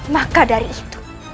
maka dari itu